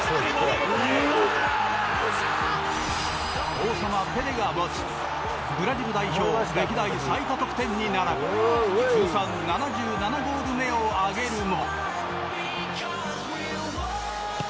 王様ペレが持つブラジル代表歴代最多得点に並ぶ通算７７ゴール目を挙げるも。